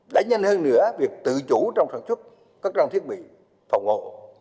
đã nhanh hơn nữa việc tự chủ trong sản xuất các trang thiết bị phòng ngộ